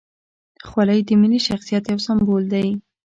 خولۍ د ملي شخصیت یو سمبول دی.